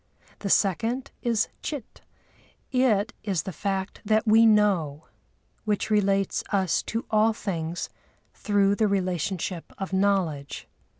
The second is Chit; it is the fact that we know, which relates us to all things through the relationship of knowledge.